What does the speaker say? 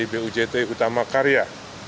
bujt utama karya